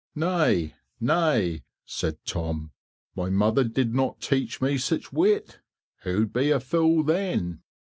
"Nay, nay," said Tom, "my mother did not teach me such wit; who'd be a fool then?"